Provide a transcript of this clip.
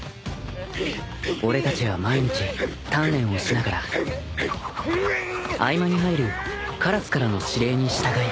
［俺たちは毎日鍛錬をしながら合間に入る鴉からの指令に従い］